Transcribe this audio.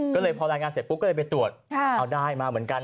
ก็เลยพอรายงานเสร็จปุ๊บก็เลยไปตรวจเอาได้มาเหมือนกัน